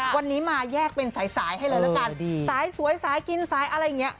วันนี้มาแยกเป็นสายสายให้เลยละกันสายสวยสายกินสายอะไรอย่างนี้